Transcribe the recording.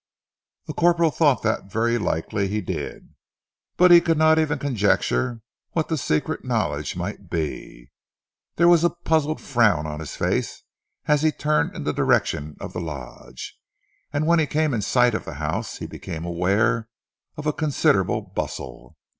The corporal thought that very likely he did, but could not even conjecture what the secret knowledge might be. There was a puzzled frown on his face, as he turned in the direction of the Lodge, and when he came in sight of the house he became aware of a considerable bustle.